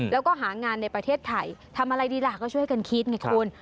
แล้วก็หางานในประเทศไทยทำอะไรดีล่ะก็ช่วยกันคิดไงคุณ